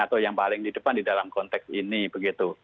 atau yang paling di depan di dalam konteks ini begitu